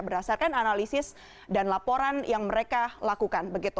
berdasarkan analisis dan laporan yang mereka lakukan